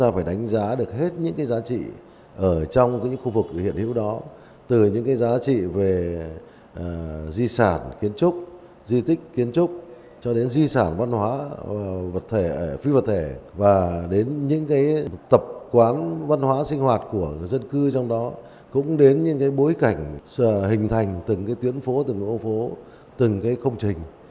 và đến những tập quán văn hóa sinh hoạt của dân cư trong đó cũng đến những bối cảnh hình thành từng tuyến phố từng ô phố từng công trình